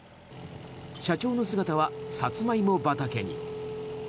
社長の姿はサツマイモ畑に。